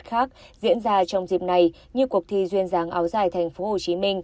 khác diễn ra trong dịp này như cuộc thi duyên dáng áo dài tp hcm